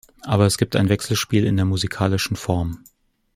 Aber es gibt ein Wechselspiel in der musikalischen Form.